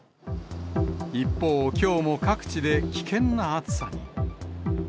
一方、きょうも各地で危険な暑さに。